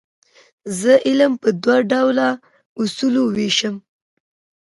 زه کالم په دوه ډوله اصولو ویشم.